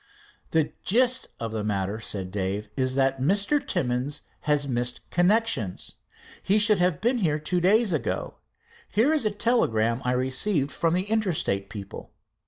"The gist of the matter," said Dave, "is that Mr. Timmins has missed connections. He should have been here two days ago. Here is a telegram I received from the Interstate people."